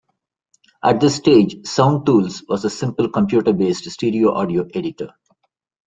At this stage Sound Tools was a simple computer based stereo audio editor.